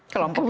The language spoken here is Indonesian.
kelompok ini ya